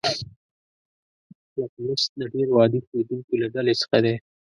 لتمس د ډیرو عادي ښودونکو له ډلې څخه دی.